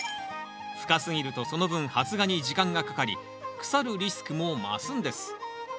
深すぎるとその分発芽に時間がかかり腐るリスクも増すんです。